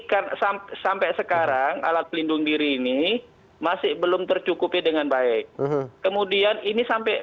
karena sampai sekarang alat pelindung diri ini masih belum tercukupi dengan baik kemudian ini sampai